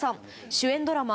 主演ドラマ